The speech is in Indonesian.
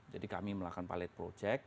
jadi kami melakukan pilot project